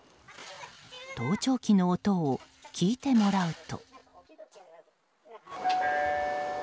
盗聴器の音を聞いてもらうと。